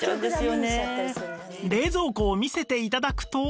冷蔵庫を見せて頂くと